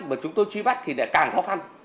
mà chúng tôi truy bắt thì càng khó khăn